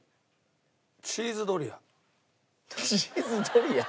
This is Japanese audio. チーズドリア？